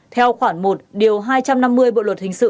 theo khoản một điều hai trăm năm mươi bộ luật hình sự